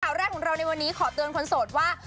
แรกของเราในวันนี้ขอเตือนคนโสดว่า